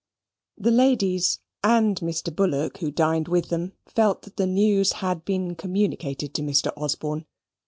The ladies, and Mr. Bullock who dined with them, felt that the news had been communicated to Mr. Osborne.